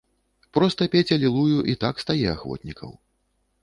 Проста пець алілую і так стае ахвотнікаў.